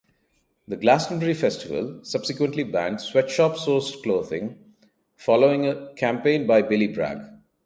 The Glastonbury Festival subsequently banned sweatshop sourced clothing following a campaign by Billy Bragg.